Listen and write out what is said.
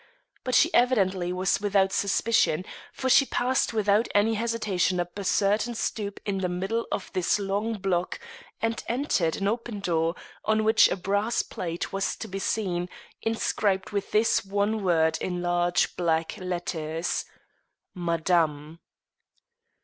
But she evidently was without suspicion, for she passed without any hesitation up a certain stoop in the middle of this long block and entered an open door on which a brass plate was to be seen, inscribed with this one word in large black letters: "MADAME."